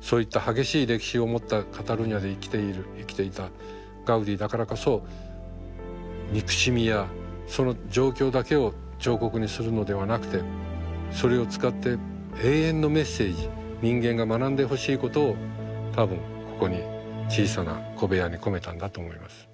そういった激しい歴史を持ったカタルーニャで生きていたガウディだからこそ憎しみやその状況だけを彫刻にするのではなくてそれを使って永遠のメッセージ人間が学んでほしいことを多分ここに小さな小部屋に込めたんだと思います。